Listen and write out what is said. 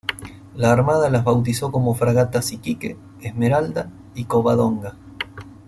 La Armada las bautizó como fragatas Iquique, Esmeralda y Covadonga.